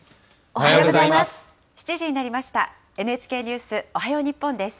おはようございます。